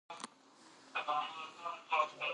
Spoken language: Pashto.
په افغانستان کې ژبې د خلکو د ژوند په کیفیت تاثیر کوي.